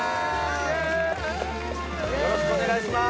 よろしくお願いします！